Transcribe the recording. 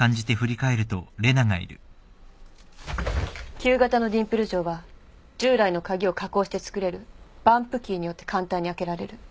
旧型のディンプル錠は従来の鍵を加工して作れるバンプキーによって簡単に開けられる。